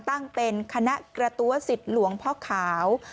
ตั้งเป็นคณะกระตั้วสิทธิ์หลวงพ่อขาว